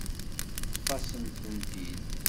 Ṭṭef-asen-tent-id.